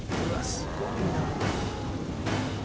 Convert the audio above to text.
すごいな。